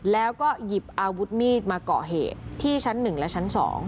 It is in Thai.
แล้วก็หยิบอาวุธมีดมาเกาะเหตุที่ชั้น๑และชั้น๒